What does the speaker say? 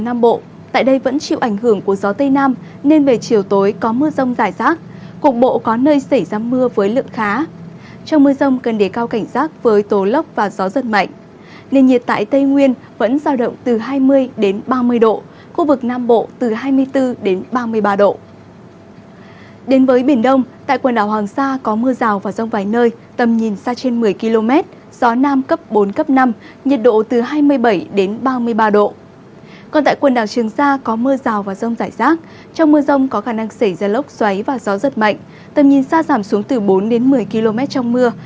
mưa rông có khả năng xảy ra lốc xoáy và gió giật mạnh tầm nhìn xa giảm xuống từ bốn đến một mươi km trong mưa